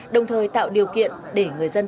đồng thời tạo điều kiện để người dân